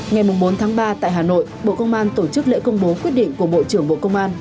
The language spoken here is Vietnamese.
ngày bốn tháng ba tại hà nội bộ công an tổ chức lễ công bố quyết định của bộ trưởng bộ công an